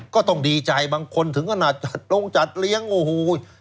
ก็ต้องดีใจบางคนถึงขนาดจัดลงจัดเลี้ยงโอ้โห